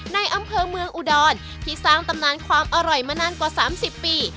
ในอำเภอเมืองอุดรที่สร้างตำนานความอร่อยมานานกว่า๓๐ปี